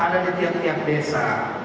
ada di tiap tiap desa